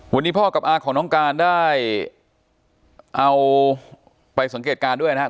วันนี้พ่อกับอาของน้องการได้เอาไปสังเกตการณ์ด้วยนะครับ